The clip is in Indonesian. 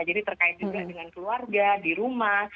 terkait juga dengan keluarga di rumah